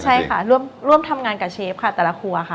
ใช่ค่ะร่วมทำงานกับเชฟค่ะแต่ละครัวค่ะ